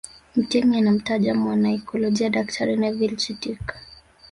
Mtemi anamtaja mwanaikolojia Daktari Neville Chittick